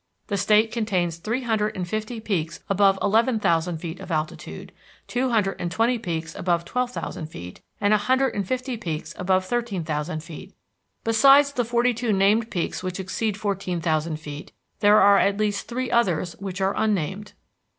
The state contains three hundred and fifty peaks above eleven thousand feet of altitude, two hundred and twenty peaks above twelve thousand feet, and a hundred and fifty peaks above thirteen thousand feet; besides the forty two named peaks which exceed fourteen thousand feet, there are at least three others which are unnamed.